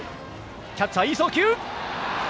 キャッチャーいい送球。